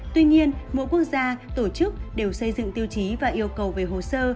tuy nhiên mỗi quốc gia tổ chức đều xây dựng tiêu chí và yêu cầu về hồ sơ